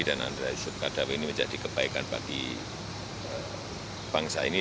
ananda randi dan ananda yusuf kardawi ini menjadi kebaikan bagi bangsa ini